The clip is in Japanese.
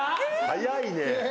早いね。